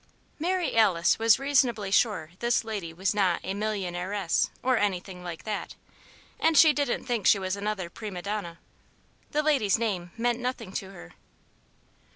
Mary Alice was reasonably sure this lady was not "a millionairess or anything like that," and she didn't think she was another prima donna. The lady's name meant nothing to her.